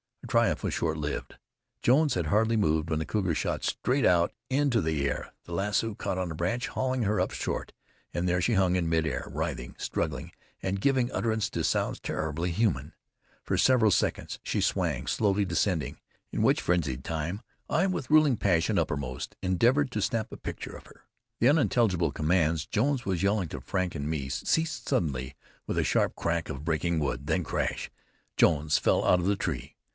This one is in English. Our triumph was short lived. Jones had hardly moved when the cougar shot straight out into the air. The lasso caught on a branch, hauling her up short, and there she hung in mid air, writhing, struggling and giving utterance to sounds terribly human. For several seconds she swung, slowly descending, in which frenzied time I, with ruling passion uppermost, endeavored to snap a picture of her. The unintelligible commands Jones was yelling to Frank and me ceased suddenly with a sharp crack of breaking wood. Then crash! Jones fell out of the tree.